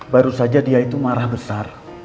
baru saja dia itu marah besar